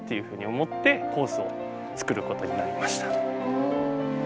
ふうに思ってコースを作ることになりました。